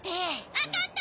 分かった！